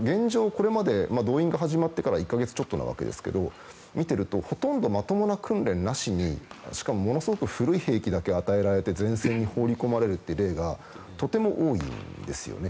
これまで動員が始まってから１か月ちょっとなわけですけど見てるとほとんどまともな訓練なしにしかも、ものすごく古い兵器だけ与えられて前線に放り込まれる例がとても多いんですよ。